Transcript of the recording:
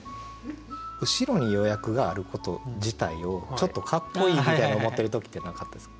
後ろに予約があること自体をちょっとかっこいいみたいに思ってる時ってなかったですか？